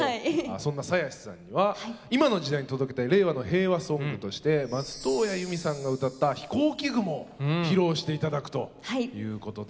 そんな鞘師さんには今の時代に届けたい「れいわのへいわソング」として松任谷由実さんが歌った「ひこうき雲」を披露して頂くということで。